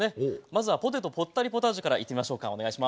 まずは「ポテトポッテリポタージュ」からいきましょう。